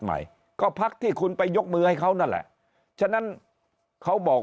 ใหม่ก็พักที่คุณไปยกมือให้เขานั่นแหละฉะนั้นเขาบอก